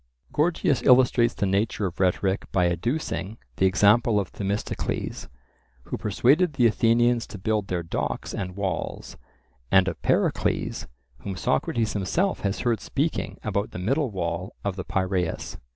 Gorgias illustrates the nature of rhetoric by adducing the example of Themistocles, who persuaded the Athenians to build their docks and walls, and of Pericles, whom Socrates himself has heard speaking about the middle wall of the Piraeus.